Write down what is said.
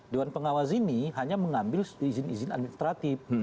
dewan pengawas ini hanya mengambil izin izin administratif